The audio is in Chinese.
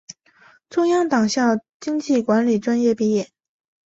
中央党校经济管理专业毕业。